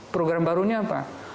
program barunya apa